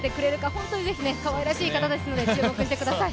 本当にかわいらしい方ですので、注目してください。